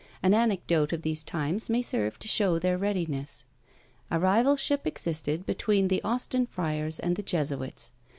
An anecdote of these times may serve to show their readiness. A rivalship existed between the Austin friars and the Jesuits.